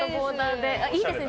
でもいいですね